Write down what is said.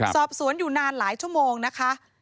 สอบสวนอยู่นานหลายชั่วโมงนะคะ